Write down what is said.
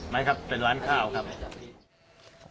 ไหมครับเป็นร้านข้าวครับ